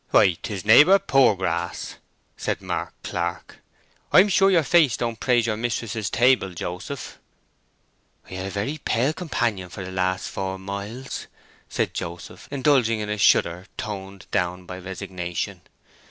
"Why, 'tis neighbour Poorgrass!" said Mark Clark. "I'm sure your face don't praise your mistress's table, Joseph." "I've had a very pale companion for the last four miles," said Joseph, indulging in a shudder toned down by resignation.